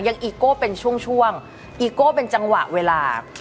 อีโก้เป็นช่วงช่วงอีโก้เป็นจังหวะเวลา